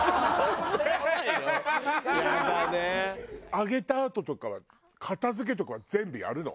揚げたあととかは片付けとかは全部やるの？